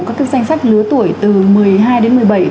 các cái danh sách lứa tuổi từ một mươi hai đến một mươi bảy